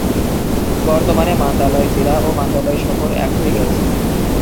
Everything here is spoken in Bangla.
বর্তমানে মান্দালয় জেলা ও মান্দালয় শহর এক হয়ে গেছে।